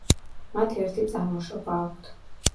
მათ ერთი წარმოშობა აქვთ.